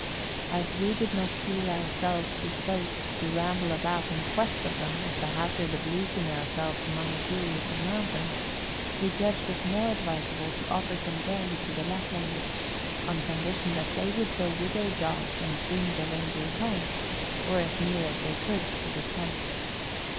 As we did not feel ourselves disposed to 152 MOUNTAIN ADVENTURES. ramble about in quest of them, at the hazard of losing ourselves among a series of mountains, we judged it more advisable to offer some brandy to the Laplanders, on condition that they would go with their dogs and bring the rein deer home, or as near as they could to the tent.